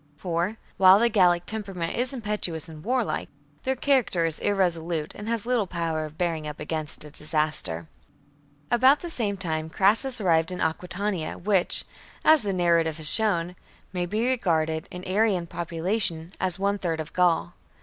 For, while the Gallic temperament is impetuous and warlike, their character is irresolute and has little power of bearing up against disaster. 20. About the same time Crassus arrived in Crassus Aquitania, which, as the narrative has shown, Aquitania, may be regarded, in area and population, as one third of Gaul.